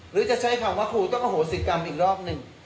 หรือจะใช้คำว่าครูต้องอโหสิกรรมอีกรอบหนึ่ง